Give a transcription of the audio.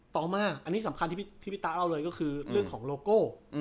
ต่อมาอันนี้สำคัญที่พี่ตาเล่าเลยก็คือเรื่องของโลโก้